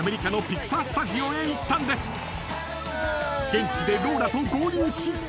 ［現地でローラと合流し］